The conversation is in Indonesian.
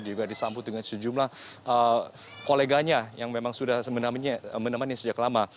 juga disambut dengan sejumlah koleganya yang memang sudah menemani sejak lama